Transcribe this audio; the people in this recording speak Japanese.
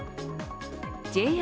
ＪＲ